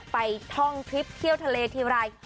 ท่องทริปเที่ยวทะเลทีไร